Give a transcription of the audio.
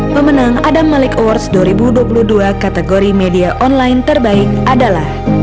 pemenang adam malik awards dua ribu dua puluh dua kategori media online terbaik adalah